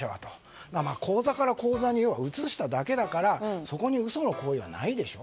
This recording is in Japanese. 口座から口座に移しただけだからそこに嘘の行為はないと。